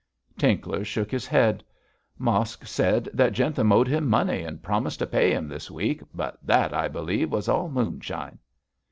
Tinkler shook his head. 'Mosk said that Jentham owed him money, and promised to pay him this week; but that I believe was all moonshine.'